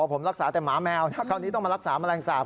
คราวนี้ต้องมารักษามะแรงสาป